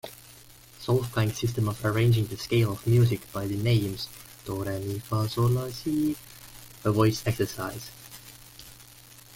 Solfaing system of arranging the scale of music by the names do, re, mi, fa, sol, la, si a voice exercise.